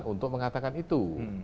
untuk mengatakan itu